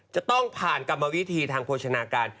จะต้องผ่านกรรมวิธีทางโภชนาการ